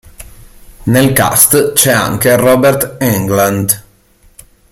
Nel cast c'è anche Robert Englund.